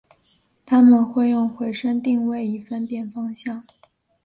它们会用回声定位以分辨方向。